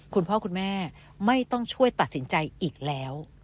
คุณพ่อคุณแม่ไม่ต้องช่วยตัดสินใจอีกแล้ว